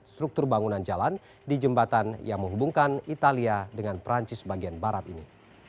struktur bangunan jalan di jembatan yang menghubungkan italia dengan perancis bagian barat ini